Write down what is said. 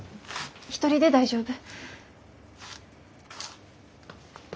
一人で大丈夫。